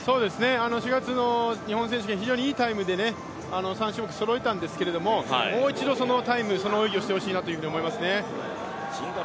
４月の日本選手権非常にいいタイムで３種目そろえたんですけれども、もう一度、そのタイム、その泳ぎをしてほしいなと思いますね。